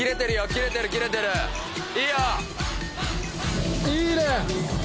キレてるキレてるいいよいいね！